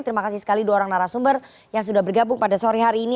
terima kasih sekali dua orang narasumber yang sudah bergabung pada sore hari ini